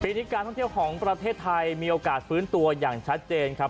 นี้การท่องเที่ยวของประเทศไทยมีโอกาสฟื้นตัวอย่างชัดเจนครับ